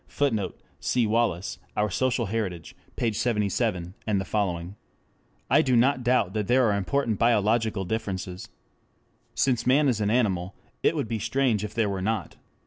[Footnote: Cf. Wallas, Our Social Heritage, pp. 77 et seq.] I do not doubt that there are important biological differences. Since man is an animal it would be strange if there were not.